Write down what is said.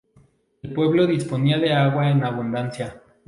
El pueblo disponía de agua en abundancia.